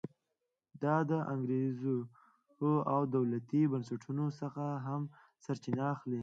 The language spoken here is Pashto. دا د انګېزو او دولتي بنسټونو څخه هم سرچینه اخلي.